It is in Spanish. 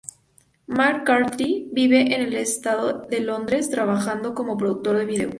McCarthy vive en el este de Londres, trabajando como productor de video.